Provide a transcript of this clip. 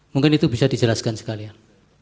mungkin itu bisa dijelaskan sekalian